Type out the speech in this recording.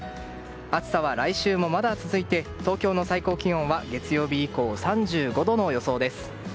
暑さは来週もまだ続いて東京の最高気温は月曜日以降、３５度の予想です。